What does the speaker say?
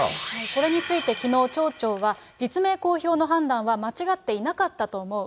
これについて、きのう町長は、実名公表の判断は間違っていなかったと思う。